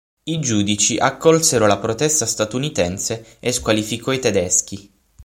I giudici accolsero la protesta statunitense e squalificò i tedeschi.